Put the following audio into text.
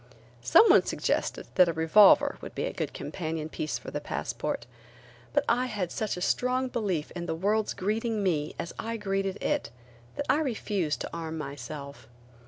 Someone suggested that a revolver would be a good companion piece for the passport, but I had such a strong belief in the world's greeting me as I greeted it, that I refused to arm myself.